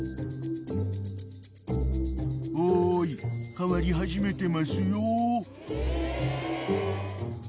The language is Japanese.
［おい変わり始めてますよ］